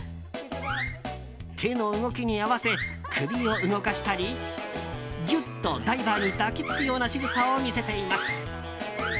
手の動きに合わせ首を動かしたりギュッとダイバーに抱き付くようなしぐさを見せています。